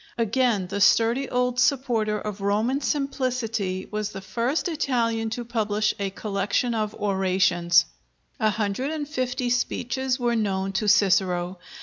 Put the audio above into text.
Again, the sturdy old supporter of Roman simplicity was the first Italian to publish a collection of orations. A hundred and fifty speeches were known to Cicero.